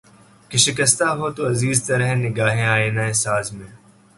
کہ شکستہ ہو تو عزیز تر ہے نگاہ آئنہ ساز میں